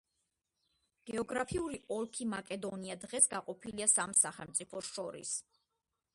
გეოგრაფიული ოლქი მაკედონია დღეს გაყოფილია სამ სახელმწიფოს შორის.